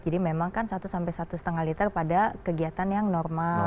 jadi memang kan satu sampai satu lima liter pada kegiatan yang normal